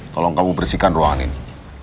tolong kamu bersihkan ruang ini